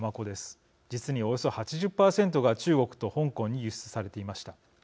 実におよそ８０％が中国と香港に輸出されていました。